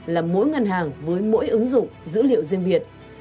là mỗi ngân hàng với mỗi ứng dụng dữ liệu riêng biệt